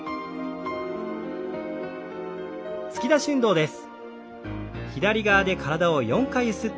突き出し運動です。